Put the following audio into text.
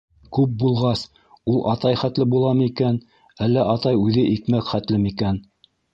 Күп булғас, ул атай хәтле буламы икән, әллә атай үҙе икмәк хәтле микән?